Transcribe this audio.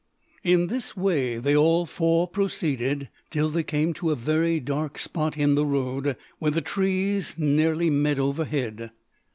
In this way they all four proceeded till they came to a very dark spot in the road, where the trees nearly met overhead.